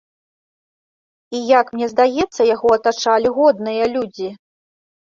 І як мне здаецца, яго атачалі годныя людзі.